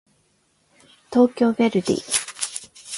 東京ヴェルディ